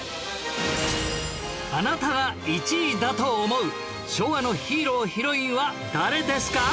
あなたが１位だと思う昭和のヒーロー＆ヒロインは誰ですか？